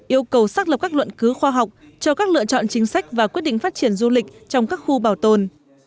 yêu cầu xác lập các luận cứu khoa học cho các lựa chọn chính sách và quyết định phát triển du lịch trong các khu bảo tồn